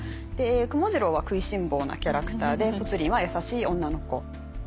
くもジローは食いしん坊なキャラクターでぽつリンは優しい女の子。